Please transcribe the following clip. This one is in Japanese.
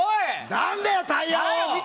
何だよ、タイヤ王！